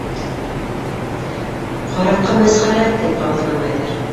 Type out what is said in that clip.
- Ҡараҡҡа мәсхәрә! - тип ҡабатланы Айҙар.